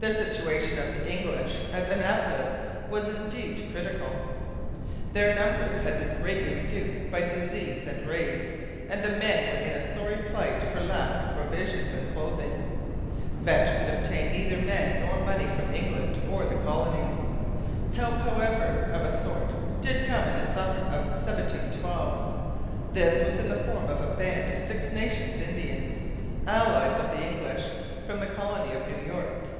The situation of the English at Annapolis was indeed critical. Their numbers had been greatly reduced by disease and raids and the men were in a sorry plight for lack of provisions and clothing. Vetch could obtain neither men nor money from England or the colonies. Help, however, of a sort did come in the summer of 1712. This was in the form of a band of Six Nation Indians, allies of the English, from the colony of New York.